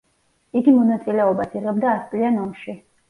იგი მონაწილეობას იღებდა ასწლიან ომში.